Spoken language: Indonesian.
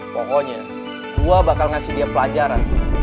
pokoknya gua bakal ngasih dia pelajaran